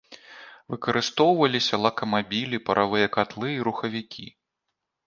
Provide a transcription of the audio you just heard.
Выкарыстоўваліся лакамабілі, паравыя катлы і рухавікі.